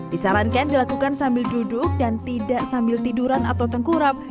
disarankan dilakukan sambil duduk dan tidak sambil tiduran atau tengkurap